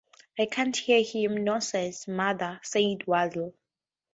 'I can’t hear him!’ ‘Nonsense, mother,’ said Wardle.